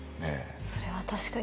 それは確かに。